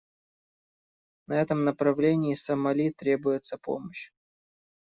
На этом направлении Сомали требуется помощь.